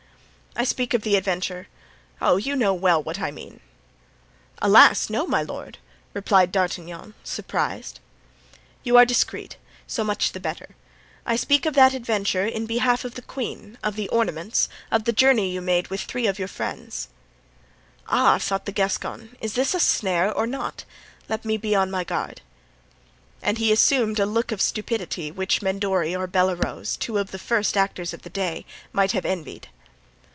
"I speak of the adventure—Eh, you know well what I mean." "Alas, no, my lord!" replied D'Artagnan, surprised. "You are discreet—so much the better. I speak of that adventure in behalf of the queen, of the ornaments, of the journey you made with three of your friends." "Aha!" thought the Gascon; "is this a snare or not? Let me be on my guard." And he assumed a look of stupidity which Mendori or Bellerose, two of the first actors of the day, might have envied.